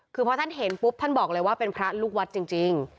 คือพอท่านเห็นปุ๊บท่านบอกเลยว่าเป็นพระลูกวัดจริง